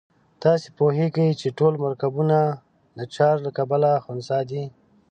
تاسې پوهیږئ چې ټول مرکبونه د چارج له کبله خنثی دي.